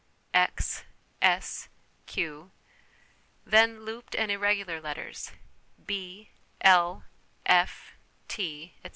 x, s, q ; then looped and irregular letters b, l,f t, etc.